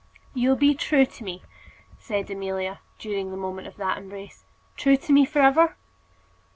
"You'll be true to me?" said Amelia, during the moment of that embrace "true to me for ever?"